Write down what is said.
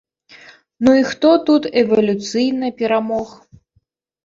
Ну і хто тут эвалюцыйна перамог?